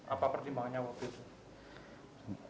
apa pertimbangannya waktu itu